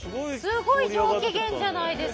すごい上機嫌じゃないですか。